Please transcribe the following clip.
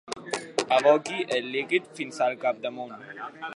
Aboqui el líquid fins al capdamunt.